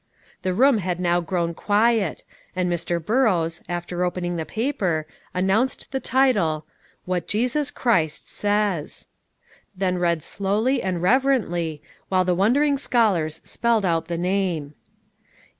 The room had now grown quiet, and Mr. Burrows, after opening the paper, announced the title, "WHAT JESUS CHRIST SAYS." Then read slowly and reverently, while the wondering scholars spelled out the name.